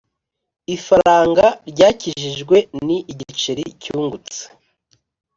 ifaranga ryakijijwe ni igiceri cyungutse.